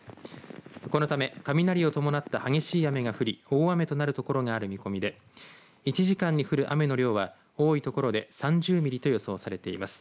このため雷を伴った激しい雨が降り大雨となるところがある見込みで１時間に降る雨の量は多いところで３０ミリと予想されています。